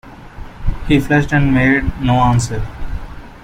He flushed and made no answer.